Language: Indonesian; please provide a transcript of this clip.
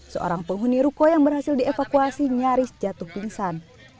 seorang penghuni ruko yang berhasil dievakuasi nyaris jatuh pingsan